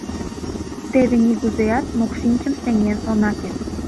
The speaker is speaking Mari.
Теве нигузеат мокшинчым сеҥен она керт...